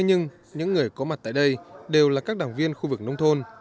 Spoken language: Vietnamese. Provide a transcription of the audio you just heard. nhưng những người có mặt tại đây đều là các đảng viên khu vực nông thôn